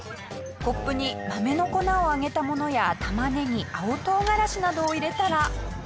コップに豆の粉を揚げたものやタマネギ青唐辛子などを入れたら。